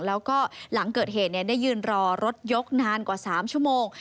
รอน่ารถยกนานกว่าสามชั่วโมง